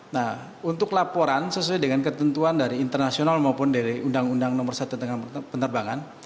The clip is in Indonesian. nah untuk laporan sesuai dengan ketentuan dari internasional maupun dari undang undang nomor satu tentang penerbangan